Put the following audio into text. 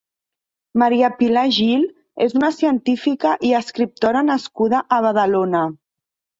Maria Pilar Gil és una científica i escriptora nascuda a Badalona.